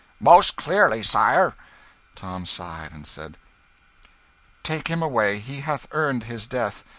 "Most clearly, sire." Tom sighed, and said "Take him away he hath earned his death.